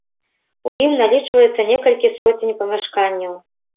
У ім налічваецца некалькі соцень памяшканняў.